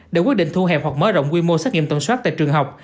để quyết định thu hẹp hoặc mở rộng quy mô xét nghiệm tổn soát tại trường học